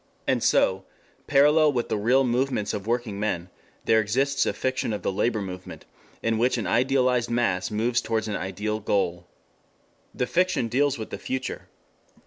And so parallel with the real movements of working men there exists a fiction of the Labor Movement, in which an idealized mass moves towards an ideal goal. The fiction deals with the future.